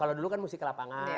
kalau dulu kan mesti ke lapangan